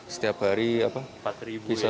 setiap hari empat bisnis itu luar biasa sekali